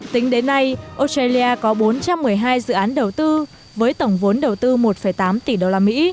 tính đến nay australia có bốn trăm một mươi hai dự án đầu tư với tổng vốn đầu tư một tám tỷ usd